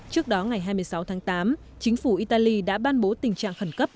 trước đó ngày hai mươi sáu tháng tám chính phủ italy đã ban bố tình trạng khẩn cấp